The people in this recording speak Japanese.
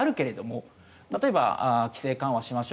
例えば規制緩和しましょう。